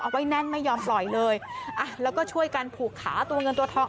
ไว้แน่นไม่ยอมปล่อยเลยอ่ะแล้วก็ช่วยกันผูกขาตัวเงินตัวทอง